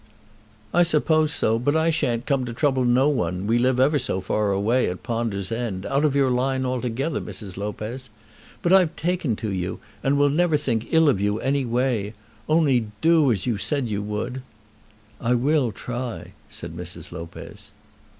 "I suppose so, but I shan't come to trouble no one; and we live ever so far away, at Ponder's End, out of your line altogether, Mrs. Lopez. But I've taken to you, and will never think ill of you any way; only do as you said you would." "I will try," said Mrs. Lopez.